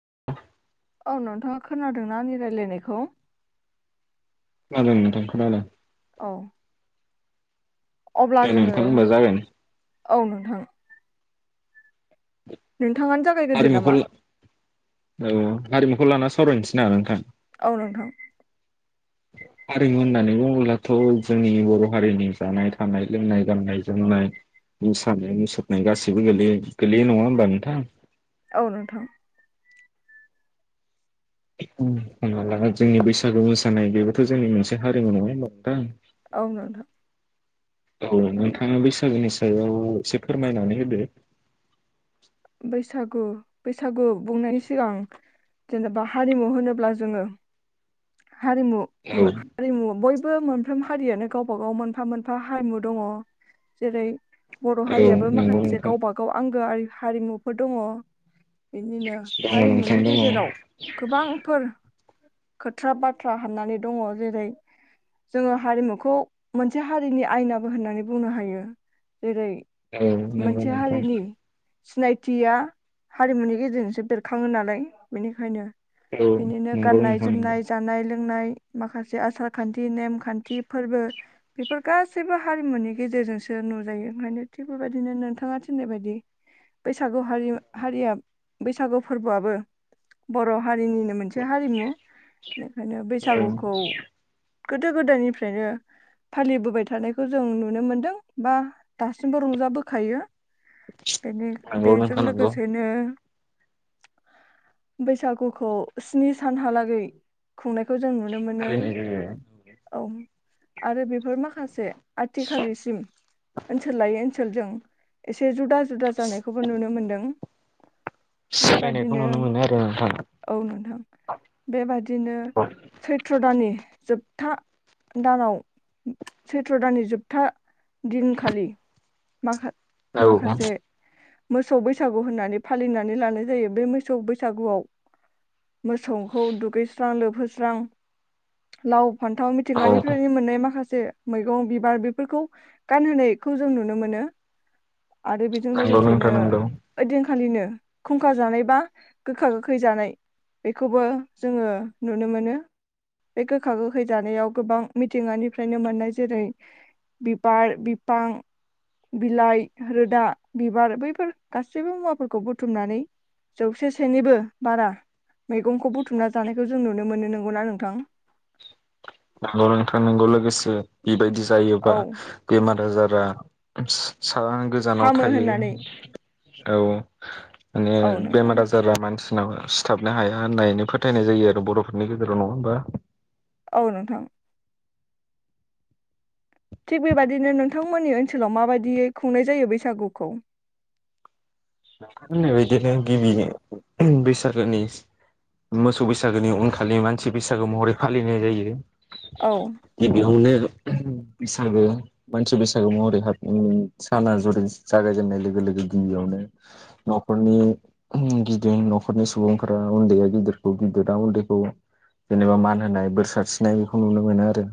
[inaudible] औ नोंथाङा खोनादोंना आंनि रायलायनायखौ? खोनादों नोंथां खोनादों। औ। अब्ला दे जोङो नोंथां होनबा जागायनाय औ नोंथां। नों थाङानो जागायग्रोदो हारिमुखौ नामा? औ हारिमुखौ लाना सावरायनोसै ना नोंथां। औ नोंथां। हारिमु होननानै बुङोब्लाथ' जोंनि बर' हारिनि जानाय थानाय लोंनाय गाननाय जोमनाय मोसानाय मुसुरनाय गासैबो गोलैयो गोलैयो नङा होमबा नोंथां? औ नोंथां। [unintelligible] जोंनि बैसागु मोसानाय बेबोथ' जोंनि मोनसे हारिमु नङा ओमबा नोंथां? औ नोंथां औ नोंथाङा बैसागोनि सायाव इसे फोरमायनानै होदो। बैसागु बैसागु बुंनायनि सिगां जेनेबा हारिमु होनोब्ला जोङो हारिमु औ हारिमु बय बो मोनफ्राम हारियानो गावबा गाव मोनफा मोनफा हारिमु दङ जेरै बर' औ हारियाबो नंगौ माखासे नोंथां गावबा गाव आं गो आरि हारिमुफोर दङ। बिदिनो दङ नोंथां हारिमुनि दङ गेजेराव गोबांफोर [inaudible] खोथ्रा बाथ्रा हाबनानै दङ जेरै जोङो हारिमुखौ मोनसे हारिनि आयनाबो होननानै बुंनो हायो। जेरै औ नोंगौ मोनसे नोंथां। हारिनि सिनायथिया हारिमुनि गेजेरजोंसो बेरखाङो नालाय बेनिखायनो औ बेनिनो नोंगौ गाननाय नोंथां। नंगौ जोमनाय जानाय लों लोंनाय माखासे आसार खान्थि नेमखान्थि फोरबो बेफोर गासैबो हारिमुनि गेजेरजोंसो नुजायो ओंखायनो थिग बेबायदिनो नोंथाङा थिननाय बायदि बैसाग गौ हारिमा हारियाब बैसागु फोरबोआबो बर' हारिनिनो मोनसे हारिमु। बेनिखायनो औ बैसागुखौ गोदो गोदायनिफ्रायनो फालिबोबाय थानायखौ जों नुनो मोनदों बा दासिमबो रंजाबोखायो। बेनि नंगौ बेजों नोंथां नंगौ लोगोसेनो बैसागुखौ स्नि सानहालागै गै खुंनाय खौ जों नुनो मोनो फालिनाय औ। आरो बेफोर माखासे आथिखालसिम ओनसोल लायै फोरजों एसे जुदा जुदा जानायखौबो नुनो मोन्दों। सोलायनायखौ नुनो मोनो आरो नोंथां। बेबायदिनो सैथ्र' दानि जोबथा दानाव सैत्र' दाननि जोबथा दिनखालि माखा माखासे मोसौ बैसागु होननानै फालिनानै लानाय जायो बे मोसौ बैसागुआव मोसौखौ दुगैस्रां लोबहोस्रां लाव फन्थाव औ औ मिथिंगानिफ्रायनो मोननाय माखासे से मैगं बिबार बेफोरखौ गानहोनायखौ जों नुनो मोनो। आरो बेजों नंगौ लोगोसेनो नोंथां नंगौ ओदिन खालिनो खुंखा जानाय बा गोखा गोखै जानाय बेखौबो जोङो नुनो मोनो बे गोखा गोखै जानायाव गोबां मिथिंगानिफ्रायनो मोननाय जेरै बिबार, बिफां, बिलाइ, रोदा, बिबार बैफोर गासैबो मुवाफोरखौ बुथुमनानै जौसे सेनिबो बारा मैगंखौ बुथुमना जानायखौ जों नुनो मोनो नंगौना नोंथां? नोंथां नोंथां नोंगौ लोगोसे बेबायदि जायोबा औ बेमार आजारा गोजानाव हामो थायो होननानै औ माने औ नोंथां बेमार आजारा मानसि सिथाबनो हाया होननानै फोथायनाय जायो आरो बर'फोरनि गेजेराव नङा होमबा? औ नोंथां। थिग बेबाददिनो नोंथांमोननि ओनसोलाव माबायदियै खुंनाय जायो बैसागुखौ? नों होननाय बदिनो गिबि बैसागोनि मोसौ बैसागोनि उनखालि मानसि बैसागो महरै फालिनाय जायो। औ बे बिहु ने। बैसागो मानसि बैसागो महरै हाबनानै साना जुरि जागायजेननाय लोगो लोगो गिबियावनो न'खरनि गिदिं न'खरनि सुबुंफोरा उन्दैया गिदिरखौ गिदिरा उन्दैखौ जेनेबा मान होनाय बोर सारस्रिनाय बेखौ नुनो मोनो आरो।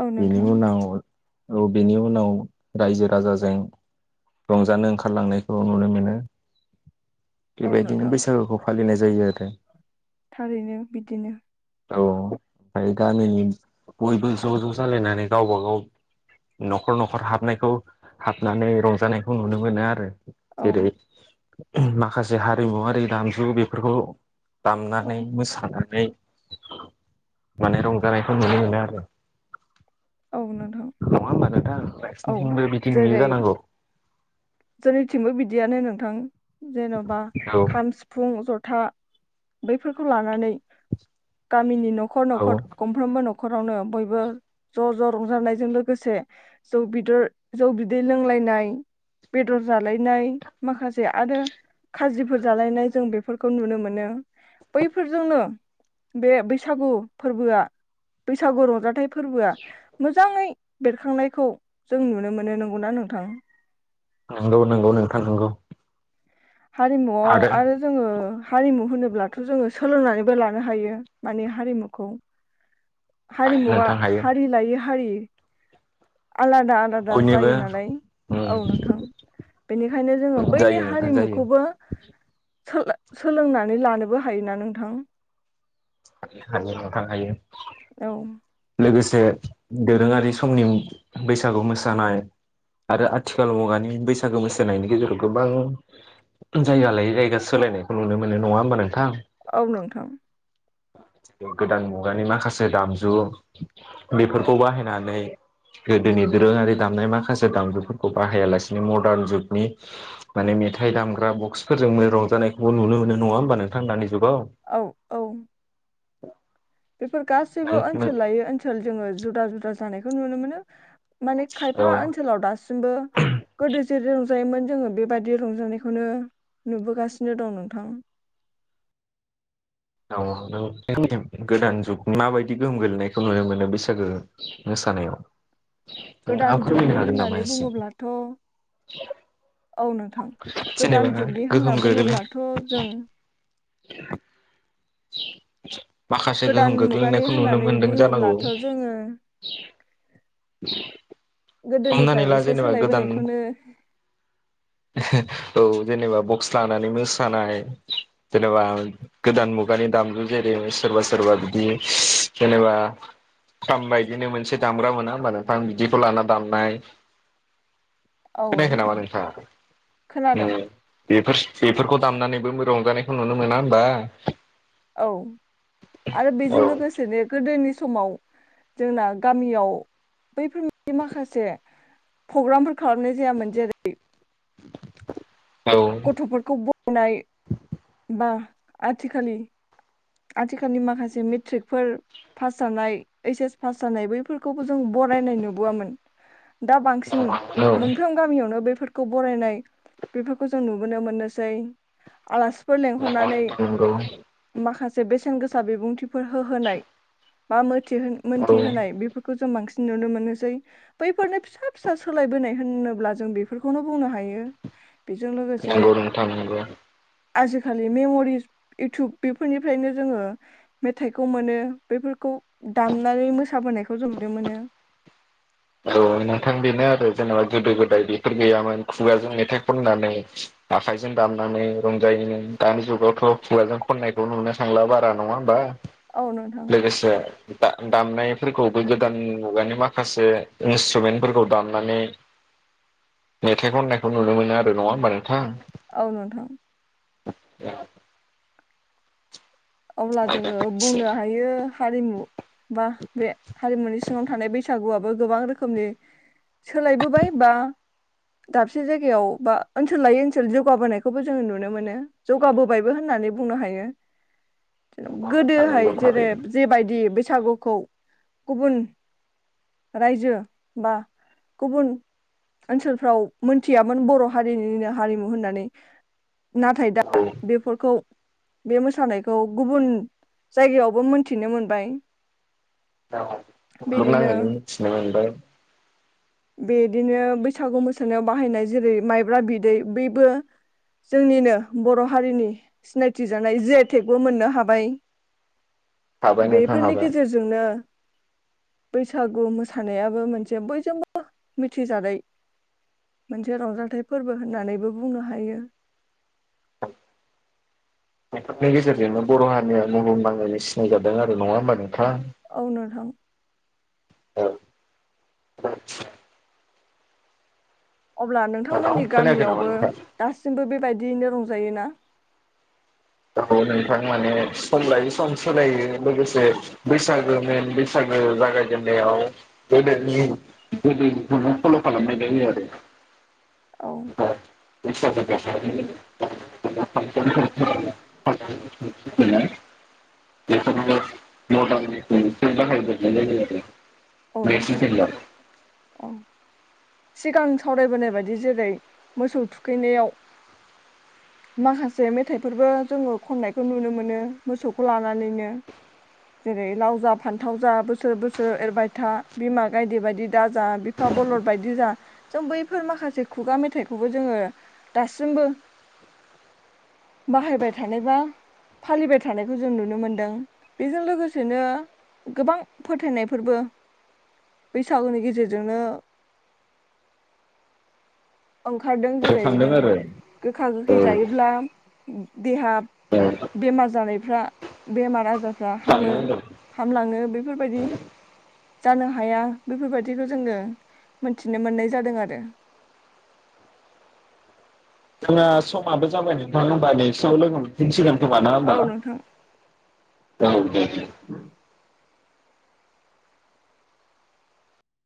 औ बेनि नोंथां उनाव औ बेनि उनाव रायजो राजाजों रंजानो ओंखारलांनायखौ नुनो मोनो। ओं औ बेबायदिनो नोंथां बैसागुखौ फालिनाय जा जायो आरो थारैनो बिदिनो औ ओमफ्राय गामिनि बयबो ज' ज' जालायनानै गावबा गाव न'खर न'खर हाबनायखौ हाबनानै रंजानायखौ नुनो मोनो आरो। औ जेरै माखासे हारिमुवरारि दामजु बेफोरखौ औ दामनानै मोसानानै माने रंजानायखौ नुनो मोनो आरो। औ नोंथां नङा होमबा नोंथां? औ नोंसिनिथिंबो बिदिं नुयो जेरै जानांगौ? जोंनिथिंबो बिदियानो नोंथां। जेन'बा औ खाम सिफुं ज था बैफोरखौ लानानै गामिनि नो न'खर औ न'खर गंफ्रोमबो न खरावनो बयबो ज' ज' रंजानायजों लोगोसे जौ बिदर जौ बिदै लोंलायनाय बेदर जालायनाय माखासे आरो खाजिफोर जालायनाय जों बेफोरखौ नुनो मोनो बैफोरजोंनो बे बैसागु फोरबोआ बैसागु रंजाथाइ फोरबोआ मोजाङै बेरखांनायखौ जों नुनो मोनो नंगौना नोंथां। नंगौ नंगौ नोंथां नंगौ। हारिमुआव आरो जोङो हारिमु होनोब्लाथ' जोङो सोलोंनानैबो लानो हायो माने हारिमुखौ। हायो हारिमुवा नोंथां हायो हारि लायै हारि [unintelligible] आलादा आलादा बयनिबो जायो नालाय उम औ नोंथां बेनिखायनो जोङो जायो बैनि नोंथां जायो हारिमुखौबो सोला सोलोंनानै लानोबो हायोना नोंथां? हायो नोंथां हायो। औ लोगोसे दोरोङारि समनि बैसागु मोसानाय आरो आथिखाल मुगानि बैसागु मोसानायनि गेजेराव गोबां जायगा लायै जायगा सोलायनायखौ नुनो मोनो नङा होमबा नोंथां। औ नोंथां। गोदान मुगानि माखासे दामजु बेफोरखौ बाहायनानै गोदोनि दोरोङारि दामनाय माखासे दामजुफोरखौ बाहायालासिनो मदार्न जुगनि माने मेथाइ दामग्रा बक्सफोरजों रंजानायखौबो नुनो मोनो नङा होमबा नोंथां दानि औ औ औ बेफोर गासैबो ओनसोल लायै ओनसोल जोङो जुदा जुदा जानायखौ नुनो मोनो। माने औ खायफा ओनसोलाव दासिमबो गोदो जेरै दं रंजायोमोन जोङो बेबायाददि रंजानायखौनो नुबोगासिनो दं नोंथां। औ गोदान जुग माबायदि गोहोम गो्लैनायखौ नुनो मोनो बैसागो मोसानायाव? नोंथाङा गोदान फोरमायनो जुगनि हागोन नामा होननानै एसे बुङोब्लाथ'। औ नोंथां जेनेबा गोदान जुगनि होनना गोहोम गोग्लै बुङोब्लाथ' जों [inaudible] माखासे गोदान गोहोम मुगानि गोग्लैनायखौ नुनो होननानै मोनदों जानांगौ। बुङोब्लाथ' [inaudible] जोङो हमनानै गोदोनिफ्राय ला एसे जेनेबा गोदान सोलायबोनायखौनो औ जेनेबा बक्स लानानै मोसानाय जेनेबा गोदान मुगानि दामजु जेरै सोरबा सोरबा बिदि जेनेबा थाम बायदिनो मोनसे दामग्रा मोना होनोमबा नोंथां बिदिखौ लाना दामनाय। औ खोनायाखो नामा नोंथां नोंथाङा ओ खोनादों बेफोर बेफोरखौ दामनानैबो रंजानायखौ नुनो मोना होमबा। औ आरो औ बेजों लोगोसेनो गोदोनि समाव जोंना गामियाव बैफोर माखासे प्रग्रामफोर खालामनाय जायामोन जेरै [inaudible] गथ'फोरखौ बनाय बा आथिखालि आथिखालनि माखासे मेट्रिकफोर पास जानाय ऐइस-एस पास जानाय बैफोरखौबो जों बरायनाय नुबोआमोन। दा बांसिन औ मोनफ्रोम गामियावनो बे फोरखौ बरायनाय बेफोरखौ जों नुबोनो मोननोसै आलासि [inaudible] माखासे बेसेन गोसा बिबुंथिफोर होहोनाय बा थि औ मोनथि होनाय बेफोरखौ जों बांसिन नुनो मोनोसै बैफोरनो फिसा फिसा सोलायबोनाय होनोब्ला जों बेफोरखौनो बुंनो हायो। बेजों लोगोसे [unintelligible] आजिखालि मेम'रिस इउटुब बेफोरनिफ्रायनो जोङो मेथाइखौ मोनो बेफोरखौ दामनानै मोसाबोनाय खौ जों नुनो मोनो औ नोंथां बेनो आरो जेनेबा गोदो गोदाय बेफोर गैयामोन खुगाजों मेथाइ खननानै आखाइजों दामनानै रंजायोमोन दानि जुगावथ' खुगाजों खननायखौ नुनो थांला बारा नङा होमबा। औ नोंथां लोगोसे दामनायफोरखौबो गोदान मुगानि माखासे इन्सट्रुमेन्टफोरखौ दामनानै मेथाइ खननायखौ नुनो मोनो आरो नङा होमबा नोंथां। औ नोंथां। [inaudible] अब्ला जोङो बुंनो हायो हारिमु बा बे हारिमुनि सिङाव थानाय बैसागुआ बो गोबां रोखोमनि सोलायबोबाय बा दाबसे जायगायाव बा ओनसोल लायै ओनसोल जौगाबोनायखौबो जोङो नुनो मोनो जौगाबोबायबो होननानै बुंनो हायो। गोदोहाय नंगौ जेरै थारैनो जेबायदि बैसागुखौ गुबुन रायजो बा गुबुन ओनसोलफ्राव मोनथियामोन बर' हारिनिनो हारिमु होननानै नाथाय दा बेफोरखौ बे मोसानायखौ खौ गुबुन जायगायावबो मोनथिनो मोनबाय। बेनिनो बु्हुमनाङैनो मिथिनो मोनबाय। बेदिनो बैसागु मोसानायाव बाहायनाय जेरै माइब्रा बिदै बैबो जोंनिनो बर' हारिनि सिनायथि जानाय जे टेकबो मोननो हाबाय। हाबाय नोंथां बेफोरनि हाबाय गेजेरजोंनो बैसागु मोसानायाबो मोनसे बयजोंबो मिथिजानाय मोनसे रंजाथाइ फोरबो होननानैबो बुंनो हायो। [inaudible] बेफोरनि गेजेरजोंनो बर' हारिनिया महल नांनो सिनाय जादों आरो नङा होमबा नोंथाङा और नोंथां। औ। अब्ला हेलौ नोंथांमोननि खोनायाखै नामा गामियावबो नोंथां? दासिमबो बेबायदियैनो रंज जायोना? औ‌ नोंथां माने सम लायै सम सोलायो लोगोसे बैसागो मेन बैसागो जागाय देननायाव गोेदनि गोदोखौ फल' खालामनाय जायो आरो औ। [unintelligible] [unintelligible] औ नोंथां औ [unintelligible] सिगां सावरायबोनाय बायदि जेरै मोसौ थुखैनायाव माखासे मेथाइफोरबो जोङो खननायखौ नुनो मोनो मोसौखौ लानानैनो जेरै लाव जा फान्थाव जा बोसोर बोसोर एरबाय था बिमा गायदे बायदि दा जा बिफा बलद बायदि जा जों बैफोर माखासे खुगा मेथाइखौबो जोङो दासिमबो बाहायबाय थानाय बा फालिबाय थानायखौ जों नुनो मोनदों बेजों लोगोसेनो गोबां फोथायनायफोरबो बैसागुनि गेजेरजोंनो ओंखारदों जेरै थांदों जों आरो गोखा औ गोखै जायोब्ला देहा औ बेमार जानायफ्रा बेमार आजारफ्रा हामो थांदों होनदों हामलाङो बेफोरबायदि जानो हाया बेफोरबायदिखौ जोङो मोनथिनो मोननाय जादों आरो जोंना समाबो जाबाय नोंथां होमबा दे एसे उनाव लोगो मोनफिनसिगोन। सोबा नाङा औ होमबा नोंथां [unintelligible] औ दे। [inaudible]